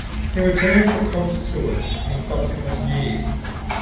He returned for concert tours in subsequent years.